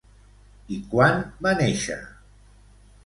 I quan va néixer?